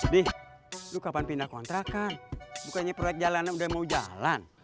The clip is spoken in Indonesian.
deh lu kapan pindah kontrakan bukannya proyek jalanan udah mau jalan